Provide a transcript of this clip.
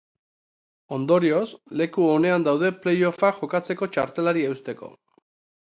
Ondorioz, leku onean daude play off-ak jokatzeko txartelari eusteko.